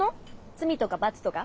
罪とか罰とか？